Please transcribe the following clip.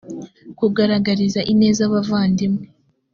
kugaragariza ineza abavandimwe